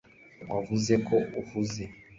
wavuze ko uhuze